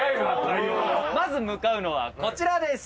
まず向かうのはこちらです。